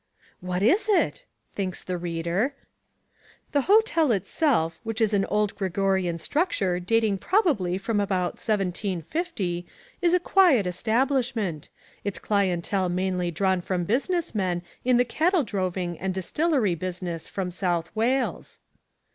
"What is it?" thinks the reader. "The hotel itself, which is an old Georgian structure dating probably from about 1750, is a quiet establishment, its clientele mainly drawn from business men in the cattle droving and distillery business from South Wales."